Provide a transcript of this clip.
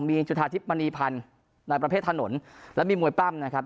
มีจุธาทิพย์มณีพันธ์ในประเภทถนนและมีมวยปล้ำนะครับ